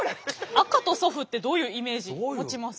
赤と祖父ってどういうイメージ持ちます？